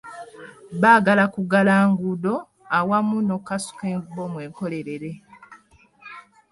Baagala kuggala nguudo awamu n'okukasuka bbomu enkolerere.